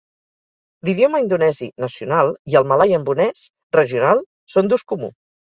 L'idioma indonesi, nacional, i el malai ambonès, regional, són d'ús comú.